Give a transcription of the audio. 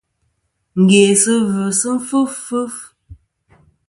Ngèsɨ-vɨ sɨ fɨf fɨf.